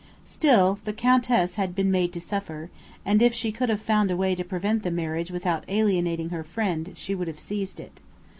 Still, the Countess had been made to suffer; and if she could have found a way to prevent the marriage without alienating her friend, she would have seized it.